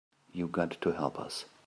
You got to help us.